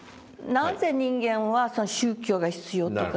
「なぜ人間は宗教が必要とかね